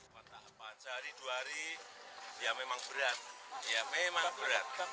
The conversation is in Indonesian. sehari dua hari ya memang berat ya memang berat